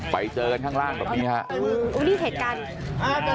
ไฟเจอกันข้างล่างตรงนี้ครับ